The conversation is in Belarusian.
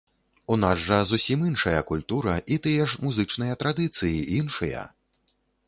У нас жа зусім іншая культура, і тыя ж музычныя традыцыі іншыя!